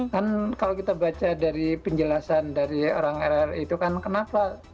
kan kalau kita baca dari penjelasan dari orang rri itu kan kenapa